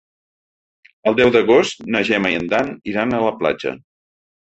El deu d'agost na Gemma i en Dan iran a la platja.